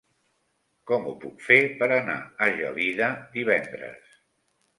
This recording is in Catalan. Com ho puc fer per anar a Gelida divendres?